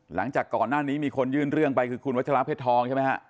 หลังจากก่อนหน้านี้มีคนยื่นเรื่องไปคือคุณวัชราเพชรทองใช่ไหมฮะ